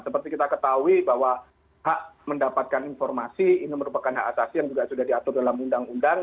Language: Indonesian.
seperti kita ketahui bahwa hak mendapatkan informasi ini merupakan hak asasi yang juga sudah diatur dalam undang undang